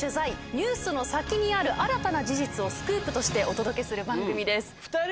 ニュースの先にある新たな事実をスクープとしてお届けする番組です。